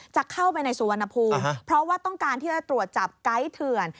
จะเข้าไปในสุวรรณภูมิเพราะว่าต้องการที่จะตรวจจับไกด์เถื่อน